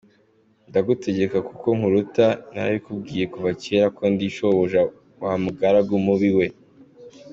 Ndagutegeka kuko nkuruta, narabikubwiye kuva cyera ko ndi shobuja wa mugaragu mubi we!